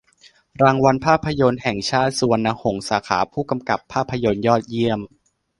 รางวัลภาพยนตร์แห่งชาติ สุพรรณหงส์ สาขาผู้กำกับภาพยนตร์ยอดเยี่ยม